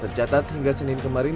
tercatat hingga senin kemarin